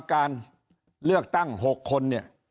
แล้วก็กำลังมาการเลือกตั้ง๖คน